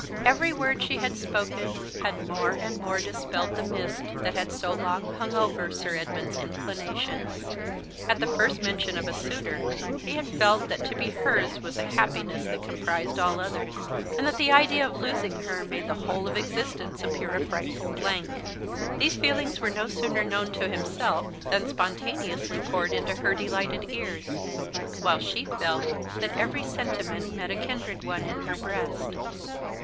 Every word she had spoken had more and, more dispelled the mist that had so long hung over Sir Edmund's inclinations. At the first mention of a suitor, he had felt that to be hers was a happiness that comprised all others; and that the idea of losing her made the whole of existence appear a frightful blank. These feelings were no sooner known to himself than spontaneously poured into her delighted ears; while she felt that every sentiment met a kindred one in her breast.